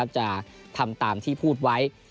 จะทำตามที่พูดไว้